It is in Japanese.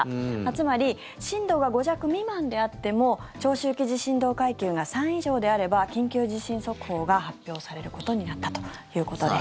つまり震度が５弱未満であっても長周期地震動階級が３以上であれば緊急地震速報が発表されることになったということです。